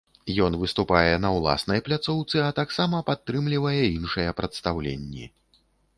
Ён выступае на ўласнай пляцоўцы, а таксама падтрымлівае іншыя прадстаўленні.